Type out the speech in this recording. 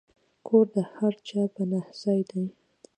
کور د هر چا پناه ځای دی.